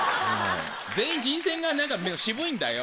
全員人選が渋いんだよ！